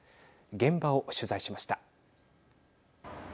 現場を取材しました。